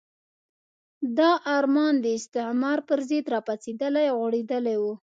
دا ارمان د استعمار پرضد راپاڅېدلی او غوړېدلی وو.